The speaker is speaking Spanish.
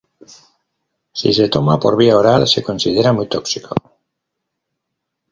Si se toma por vía oral se considera muy tóxico.